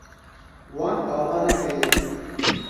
Wan ava nekiriye.